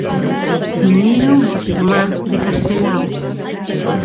Viñeron as irmás de Castelao.